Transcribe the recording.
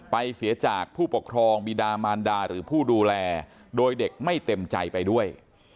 เสียจากผู้ปกครองบีดามานดาหรือผู้ดูแลโดยเด็กไม่เต็มใจไปด้วย